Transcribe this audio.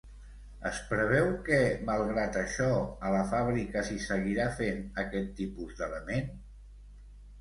Es preveu que, malgrat això, a la fàbrica s'hi seguirà fent aquest tipus d'element?